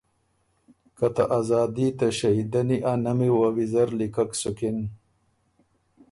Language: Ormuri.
که ته آزادي ته شهیدنی ا نمی وه ویزر لیکک سُکِن۔